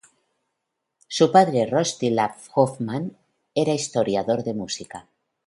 Su padre Rostislav Hofmann era historiador de música.